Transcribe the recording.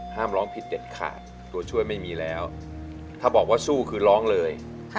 ร้องผิดเด็ดขาดตัวช่วยไม่มีแล้วถ้าบอกว่าสู้คือร้องเลย